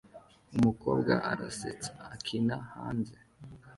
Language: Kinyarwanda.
Umukobwa arasetsa akina hanze